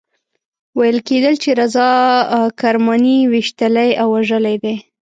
ویل کېدل چې رضا کرماني ویشتلی او وژلی دی.